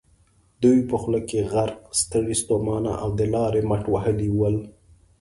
دوی په خولو کې غرق، ستړي ستومانه او د لارې مټ وهلي ول.